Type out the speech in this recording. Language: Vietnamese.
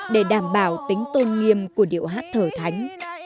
để đảm bảo tính tôn nghiêm của điệu hát thở thánh